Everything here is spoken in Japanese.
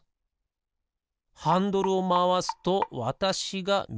ハンドルをまわすとわたしがみぎへひだりへ。